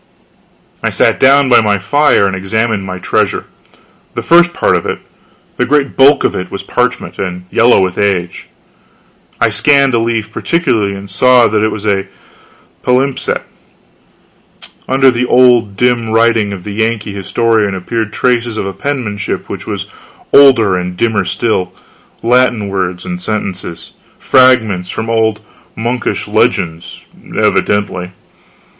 I sat down by my fire and examined my treasure. The first part of it the great bulk of it was parchment, and yellow with age. I scanned a leaf particularly and saw that it was a palimpsest. Under the old dim writing of the Yankee historian appeared traces of a penmanship which was older and dimmer still Latin words and sentences: fragments from old monkish legends, evidently.